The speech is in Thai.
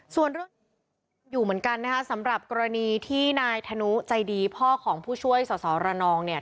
ส่วนเรื่องอยู่เหมือนกันนะคะสำหรับกรณีที่นายธนุใจดีพ่อของผู้ช่วยสอสอระนองเนี่ย